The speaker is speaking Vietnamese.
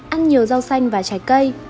ăn nhiều rau xanh và trái cây